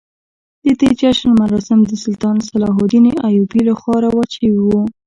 د دې جشن مراسم د سلطان صلاح الدین ایوبي لخوا رواج شوي وو.